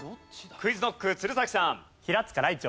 ＱｕｉｚＫｎｏｃｋ鶴崎さん。